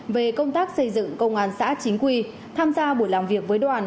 về công tác xây dựng công an xã chính quy tham gia buổi làm việc với đoàn